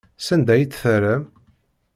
Sanda ay tt-terram?